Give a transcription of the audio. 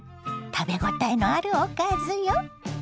食べ応えのあるおかずよ。